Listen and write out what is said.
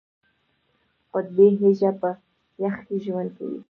قطبي هیږه په یخ کې ژوند کوي